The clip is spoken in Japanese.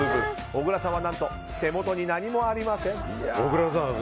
小倉さんは手元に何もありません。